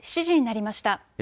７時になりました。